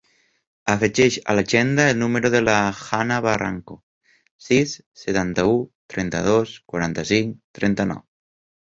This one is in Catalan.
Afegeix a l'agenda el número de la Hanna Barranco: sis, setanta-u, trenta-dos, quaranta-cinc, trenta-nou.